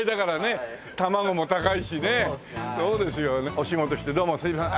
お仕事してどうもすいません。